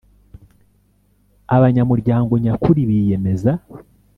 abanyamuryango nyakuri biyemeza